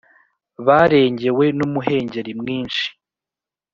Barengewe n umuhengeri mwinshi